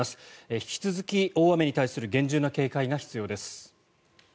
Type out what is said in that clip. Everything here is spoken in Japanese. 引き続き、大雨に対する厳重な警戒が必要です。